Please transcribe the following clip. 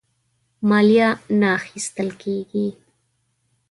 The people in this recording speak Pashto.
مالیه نه اخیستله کیږي.